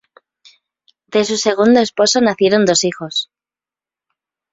De su segundo esposo nacieron dos hijos.